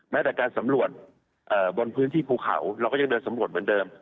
แม้แต่การสำรวจบนพื้นที่ภูเขาเราก็ยังเดินสำรวจเหมือนเดิม